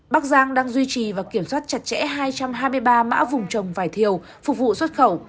bắc giang đang duy trì và kiểm soát chặt chẽ hai trăm hai mươi ba mã vùng trồng vải thiều phục vụ xuất khẩu